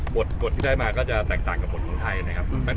บทที่ได้มาก็จะแตกต่างกับบทของไทยนะครับ